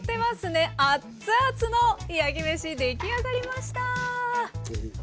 熱々の焼き飯出来上がりました。